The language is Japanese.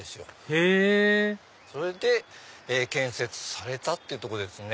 へぇそれで建設されたってとこですね。